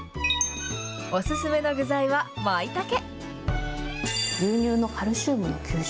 お勧めの具材はまいたけ。